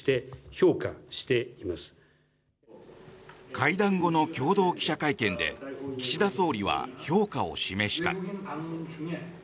会談後の共同記者会見で岸田総理は評価を示した。